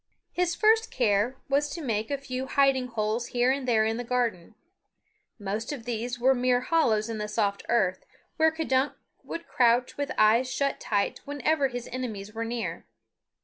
His first care was to make a few hiding holes here and there in the garden. Most of these were mere hollows in the soft earth, where K'dunk would crouch with eyes shut tight whenever his enemies were near.